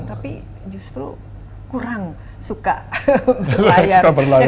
tapi justru kurang suka berlayar